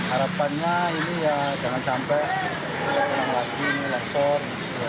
harapannya ini ya jangan sampai kembali lagi ini longsor